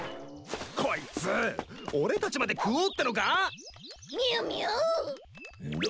こいつ俺たちまで食おうってのか⁉みゅみゅ！